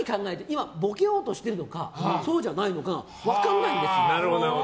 今ボケようとしているのかそうじゃないのかが分からないんですよ。